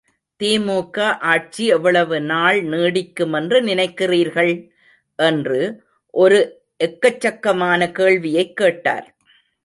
திமுக ஆட்சி எவ்வளவு நாள் நீடிக்குமென்று நினைக்கிறீர்கள்? என்று ஒரு எக்கச்சக்கமான கேள்வியைக் கேட்டார்.